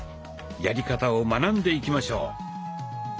やり方を学んでいきましょう。